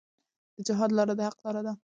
د جهاد لاره د حق لاره ده.